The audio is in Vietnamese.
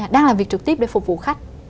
đang làm việc trực tiếp để phục vụ khách